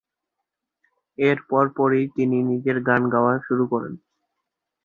এর পরপরই তিনি নিজেই গান গাওয়া শুরু করেন।